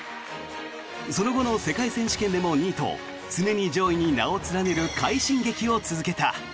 その後の世界選手権でも２位と常に上位に名を連ねる快進撃を続けた。